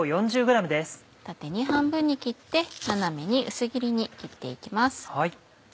縦に半分に切って斜めに薄切りに切って行きます。